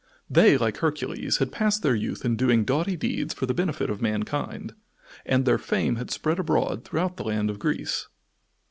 They, like Hercules, had passed their youth in doing doughty deeds for the benefit of mankind, and their fame had spread abroad throughout the land of Greece.